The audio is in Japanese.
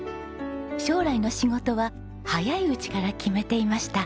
将来の仕事は早いうちから決めていました。